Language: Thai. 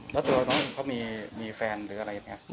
แล้วตัวน้องเขามีแฟนหรืออะไรอย่างนี้